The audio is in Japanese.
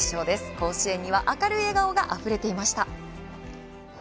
甲子園には明るい笑顔があふれていました。